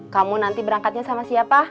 kamu nanti berangkatnya sama siapa